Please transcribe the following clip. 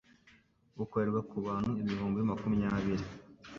bukorerwa ku bantu ibihumbi makumyabiri